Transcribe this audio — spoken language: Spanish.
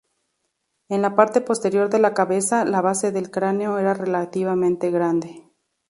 En la parte posterior de la cabeza, la base del cráneo era relativamente grande.